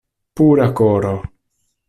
Pura koro!